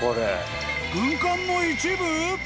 軍艦の一部？